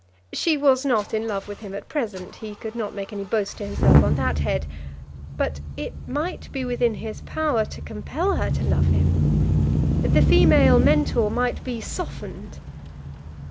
She was not in love with him at present. He could not make any boast to himself on that head. But it might be within his power to compel her to love him. The female mentor might be softened.